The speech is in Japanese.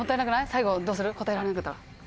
最後どうする答えられんかったら。